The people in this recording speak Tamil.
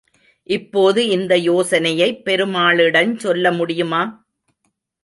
இப்போது இந்த யோசனையைப் பெருமாளிடஞ் சொல்ல முடியுமா?